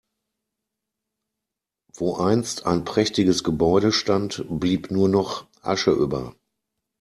Wo einst ein prächtiges Gebäude stand, blieb nur noch Asche über.